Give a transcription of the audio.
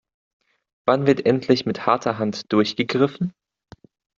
Wann wird endlich mit harter Hand durchgegriffen?